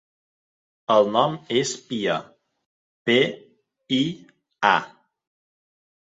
El nom és Pia: pe, i, a.